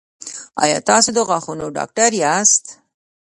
ایا تاسو د غاښونو ډاکټر یاست؟